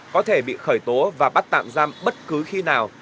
có thể bị khởi tố và bắt tạm giam bất cứ khi nào